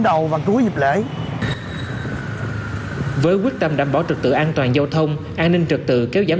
đầu và cuối dịp lễ với quyết tâm đảm bảo trật tự an toàn giao thông an ninh trật tự kéo giảm